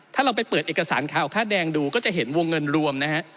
ถ้าเราไปเปิดเอกสารข่าวค่าแดงดูก็จะเห็นวงเงินรวมนะฮะ